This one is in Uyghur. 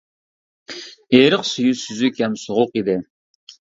ئېرىق سۈيى سۈزۈك ھەم سوغۇق ئىدى.